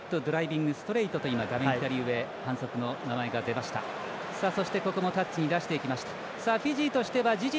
ノットドライビングストレートと画面左上、反則の名前が出ました。